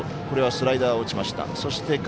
これはスライダーを打ちました。